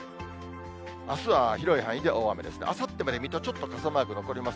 あすは広い範囲で大雨ですが、あさってまで水戸ちょっと傘マーク残ります。